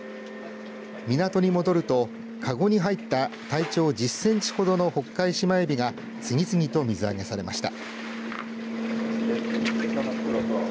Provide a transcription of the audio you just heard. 港に戻るとかごに入った体長１０センチほどのホッカイシマエビが次々と水揚げされました。